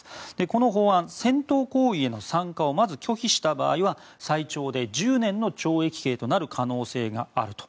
この法案、戦闘行為への参加をまず拒否した場合は最長で１０年の懲役刑となる可能性があると。